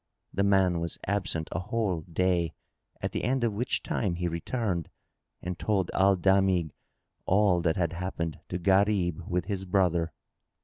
The man was absent a whole day, at the end of which time he returned and told Al Damigh all that had happened to Gharib with his brother.